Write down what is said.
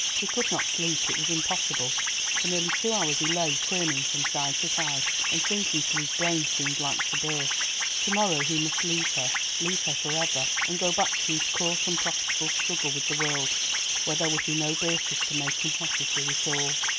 He could not sleep, it was impossible. For nearly two hours he lay turning from side to side, and thinking till his brain seemed like to burst. To morrow he must leave her, leave her for ever, and go back to his coarse unprofitable struggle with the world, where there would be no Beatrice to make him happy through it all.